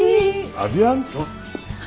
アビアント。